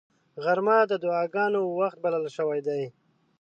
غرمه د دعاګانو وخت بلل شوی دی